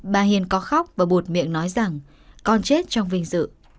bà hiền có khóc và bột miệng nói rằng con chết trong vinh dự